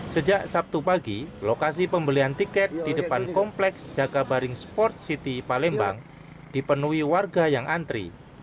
sejak sabtu pagi lokasi pembelian tiket di depan kompleks jakabaring sport city palembang dipenuhi warga yang antri